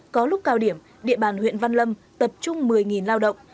có lúc cao điểm địa bàn huyện văn lâm tập trung một mươi lao động